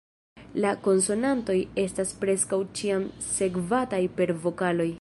La konsonantoj estas preskaŭ ĉiam sekvataj per vokaloj.